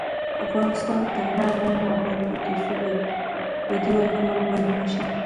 افغانستان تر هغو نه ابادیږي، ترڅو بدی ورکول بند نشي.